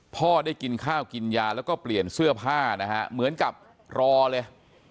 พ่อได้กินข้าวกินยาแล้วก็เปลี่ยนเสื้อผ้านะฮะเหมือนกับรอเลย